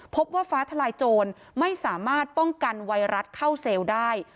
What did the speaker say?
พบว่าฟ้าทลายโจรไม่สามารถป้องกันไวรัสเข้าเซลล์ได้